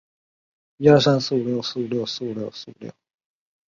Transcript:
大叶玉兰为木兰科木兰属的植物。